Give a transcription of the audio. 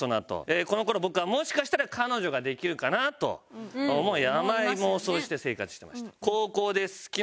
この頃僕はもしかしたら彼女ができるかなと思い甘い妄想をして生活してました。